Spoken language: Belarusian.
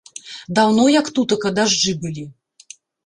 Даўно як тутака дажджы былі.